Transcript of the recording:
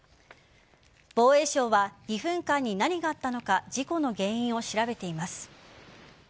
防衛省は２分間に何があったのか事故の原因を調べています。